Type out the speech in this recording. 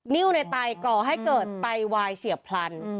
นิ้วในไตก่อให้เกิดไตวายเฉียบพลัน